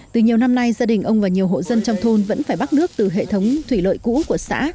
từ nhiều năm nay gia đình ông và nhiều hộ dân trong thôn vẫn phải bắt nước từ hệ thống thủy lợi cũ của xã